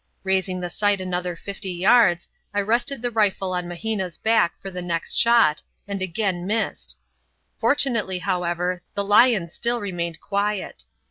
Raising the sight another fifty yards, I rested the rifle on Mahina's back for the next shot, and again missed; fortunately, however, the lion still remained quiet.